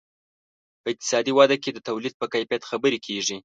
په اقتصادي وده کې د تولید په کمیت خبرې کیږي.